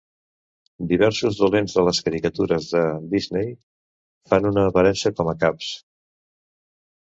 Diversos dolents de les caricatures de Disney fan una aparença com a caps.